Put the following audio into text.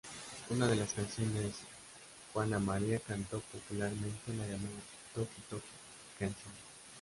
Uno de las canciones Juana Maria cantó popularmente la llamo "Toki Toki" canción.